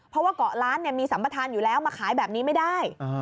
เพราะว่าเกาะล้านมีสัมปทานอยู่แล้วมาขายแบบนี้ไม่ได้